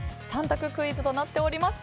３択クイズとなっております。